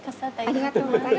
ありがとうございます。